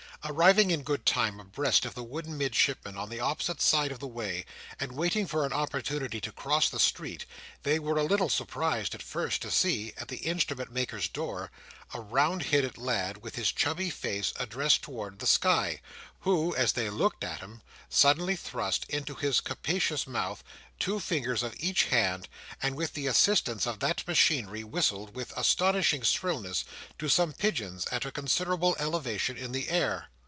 Arriving in good time abreast of the wooden Midshipman on the opposite side of the way, and waiting for an opportunity to cross the street, they were a little surprised at first to see, at the Instrument maker's door, a round headed lad, with his chubby face addressed towards the sky, who, as they looked at him, suddenly thrust into his capacious mouth two fingers of each hand, and with the assistance of that machinery whistled, with astonishing shrillness, to some pigeons at a considerable elevation in the air.